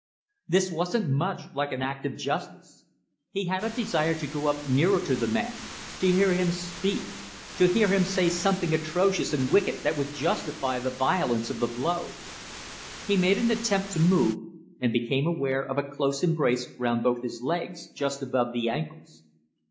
This wasn't much like an act of justice. He had a desire to go up nearer to the man, to hear him speak, to hear him say something atrocious and wicked that would justify the violence of the blow. He made an attempt to move, and became aware of a close embrace round both his legs, just above the ankles.